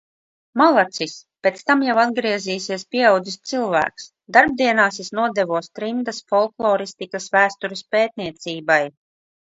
Malacis! Pēc tam jau atgriezīsies pieaudzis cilvēks. Darbdienās es nodevos trimdas folkloristikas vēstures pētniecībai.